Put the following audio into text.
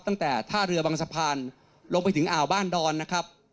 ตั้งแต่ท่าเรือบางสะพานลงไปถึงอ่าวบ้านดอนนะครับ